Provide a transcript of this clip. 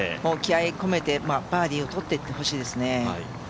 気合いを込めて、バーディーを取っていってほしいですね。